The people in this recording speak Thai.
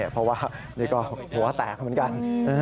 เพราะว่านี่ก็หัวแตกเหมือนกัน